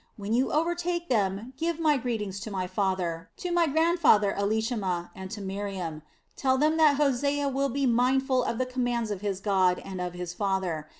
When you overtake them, give my greetings to my father, to my grandfather Elishama, and to Miriam. Tell them that Hosea will be mindful of the commands of his God and of his father.